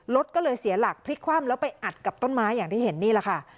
รถก็เลยเสียหลักพลิกคว่ำแล้วไปอัดกับต้นไม้อย่างที่เห็นนี่แหละค่ะ